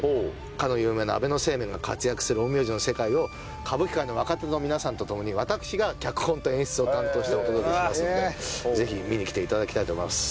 かの有名な安倍晴明が活躍する陰陽師の世界を歌舞伎界の若手の皆さんと共に私が脚本と演出を担当してお届けしますのでぜひ見に来て頂きたいと思います。